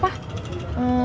gak ada data